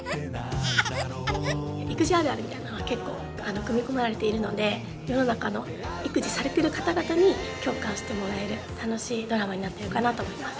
育児あるあるみたいなのが結構組み込まれているので世の中の育児されてる方々に共感してもらえる楽しいドラマになってるかなと思います。